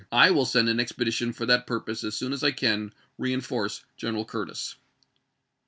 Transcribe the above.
I will send an expedition for that purpose as soon Haueokto as I cau reenforce General Curtis."